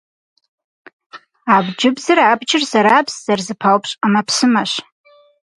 Абджыбзыр - абджыр зэрабз, зэрызэпаупщӏ ӏэмэпсымэщ.